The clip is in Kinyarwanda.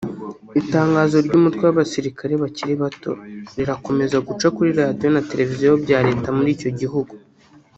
Itangazo ry’umutwe w’abasirikare bakiri bato rirakomeza guca kuri Radio na Televiziyo bya Leta muri icyo gihugu